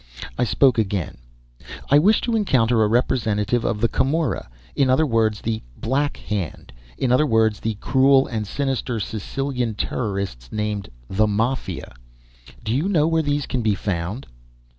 I spoke again: "I wish to encounter a representative of the Camorra, in other words the Black Hand, in other words the cruel and sinister Sicilian terrorists named the Mafia. Do you know where these can be found?"